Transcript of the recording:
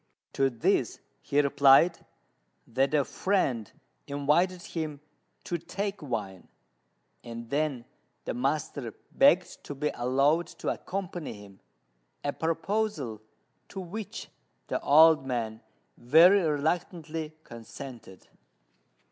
To this he replied that a friend invited him to take wine; and then the master begged to be allowed to accompany him, a proposal to which the old man very reluctantly consented.